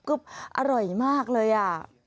ก็อร่อยมากเลยอ่ะ